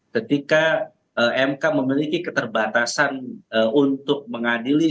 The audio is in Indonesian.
ketika mk memiliki keterbatasan untuk mengadili